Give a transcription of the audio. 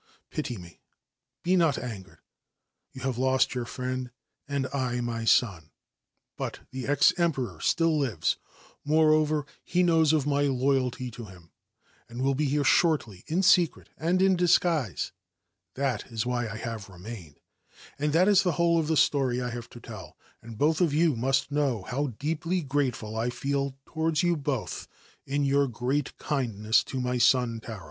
Pity me ; be not angered. ^ have lost your friend, and I my son ; but the < Emperor still lives ; moreover, he knows of my loya to him, and will be here shortly in secret and in disgu That is why I have remained, and that is the whole the story I have to tell ; and both of you must kn how deeply grateful I feel towards you both in your gr kindness to my son Taro.'